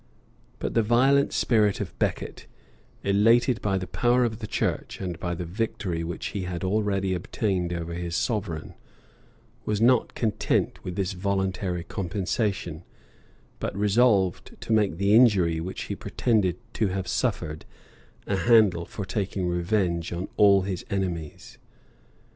But the violent spirit of Becket, elated by the power of the church, and by the victory which he had already obtained over his sovereign, was not content with this voluntary compensation, but resolved to make the injury, which he pretended to have suffered, a handle for taking revenge on all his enemies.